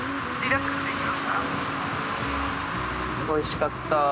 おいしかった。